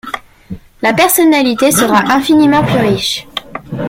La personnalité sera infiniment plus riche.